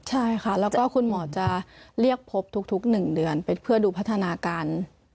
ใช่ค่ะแล้วก็คุณหมอจะเรียกพบทุก๑เดือนเพื่อดูพัฒนาการ